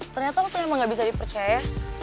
ternyata lo tuh emang gak bisa dipercaya